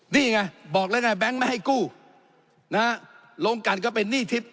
นี่ไงบอกแล้วไงแบงค์ไม่ให้กู้นะฮะลงกันก็เป็นหนี้ทิศ